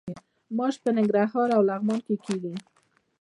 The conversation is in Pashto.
ماش په ننګرهار او لغمان کې کیږي.